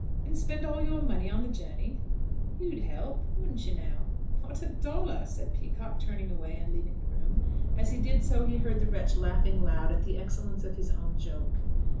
"And spend all your money on the journey." "You'd help; wouldn't you now?" "Not a dollar," said Peacocke, turning away and leaving the room. As he did so he heard the wretch laughing loud at the excellence of his own joke.